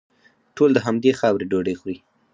ټول د همدې خاورې ډوډۍ خوري.